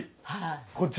こっち？